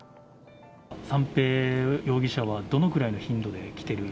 三瓶容疑者はどのくらいの頻度で来てる？